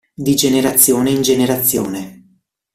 Di generazione in generazione.